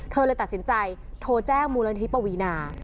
เลยตัดสินใจโทรแจ้งมูลนิธิปวีนา